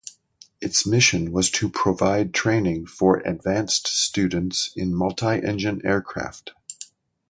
Its mission was to provide training for advanced students in multi-engine aircraft.